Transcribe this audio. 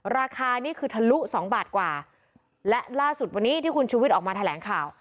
ราคานี่คือทะลุสองบาทกว่าและล่าสุดวันนี้ที่คุณชูวิทย์ออกมาแถลงข่าว